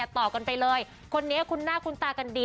ต่อกันไปเลยคนนี้คุ้นหน้าคุ้นตากันดี